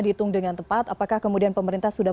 dihitung dengan tepat apakah kemudian pemerintah sudah